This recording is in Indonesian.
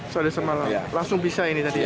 soalnya semalam langsung bisa ini tadi ya